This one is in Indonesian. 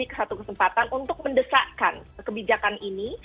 ini bisa jadi kesempatan untuk mendesakkan kebijakan ini